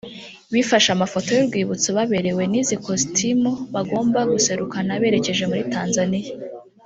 bifashe amafoto y’urwibutso baberewe n’izi kositimu bagomba guserukana berekeje muri Tanzania